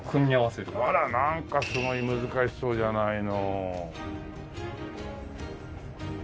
あらなんかすごい難しそうじゃないの。